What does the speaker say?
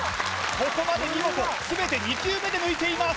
ここまで見事全て２球目で抜いています